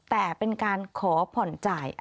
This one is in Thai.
แต่เป็นการขอผ่อนจ่าย